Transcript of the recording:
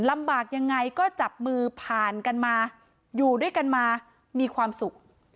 ลำบากยังไงก็จับมือผ่านกันมาอยู่ด้วยกันมามีความสุข